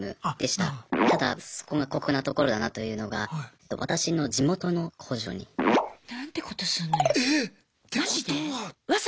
ただそこが酷なところだなというのが私の地元の工場に。なんてことすんのよ！